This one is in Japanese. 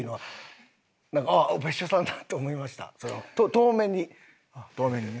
遠目にね。